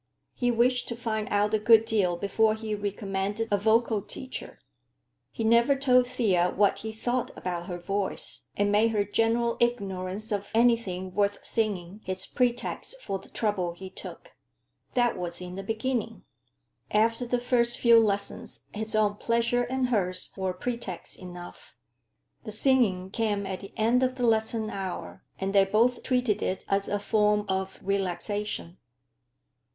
He wished to find out a good deal before he recommended a vocal teacher. He never told Thea what he thought about her voice, and made her general ignorance of anything worth singing his pretext for the trouble he took. That was in the beginning. After the first few lessons his own pleasure and hers were pretext enough. The singing came at the end of the lesson hour, and they both treated it as a form of relaxation.